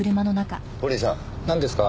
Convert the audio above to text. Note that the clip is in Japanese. なんですか？